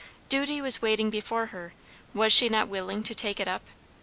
Duty was waiting before her; was she not willing to take it up?